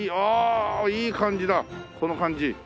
ああいい感じだこの感じ。